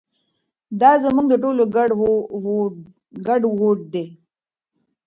دا زموږ د ټولو ګډ هوډ دی.